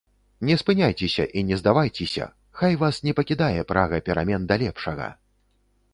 Не спыняйцеся і не здавайцеся, хай вас не пакідае прага перамен да лепшага!